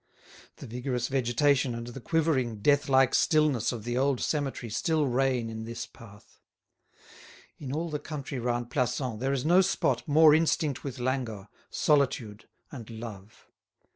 The vigorous vegetation and the quivering, deathlike stillness of the old cemetery still reign in this path. In all the country round Plassans there is no spot more instinct with languor, solitude, and love.